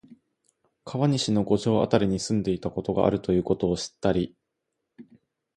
川西の五条あたりに住んでいたことがあるということを知ったり、